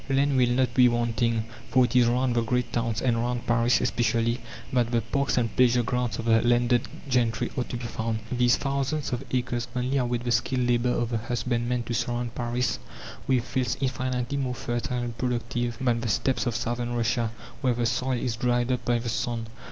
Land will not be wanting, for it is round the great towns, and round Paris especially, that the parks and pleasure grounds of the landed gentry are to be found. These thousands of acres only await the skilled labour of the husbandman to surround Paris with fields infinitely more fertile and productive than the steppes of southern Russia, where the soil is dried up by the sun.